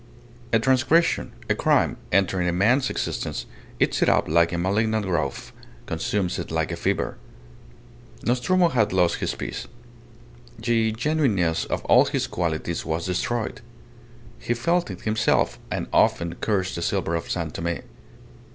A transgression, a crime, entering a man's existence, eats it up like a malignant growth, consumes it like a fever. Nostromo had lost his peace; the genuineness of all his qualities was destroyed. He felt it himself, and often cursed the silver of San Tome.